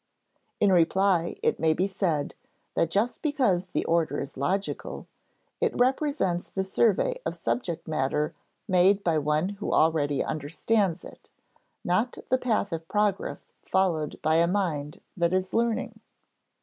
In reply, it may be said that just because the order is logical, it represents the survey of subject matter made by one who already understands it, not the path of progress followed by a mind that is learning.